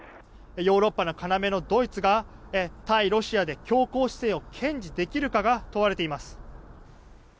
ヨーロッパの要のドイツが対ロシアで強硬姿勢を堅持できるかが問われています。